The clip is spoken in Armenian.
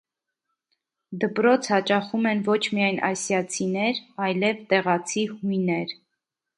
Դպրոց հաճախում են ոչ միայն ասիացիներ, այլև տեղացի հույներ։